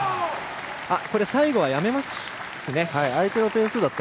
最後はやめました。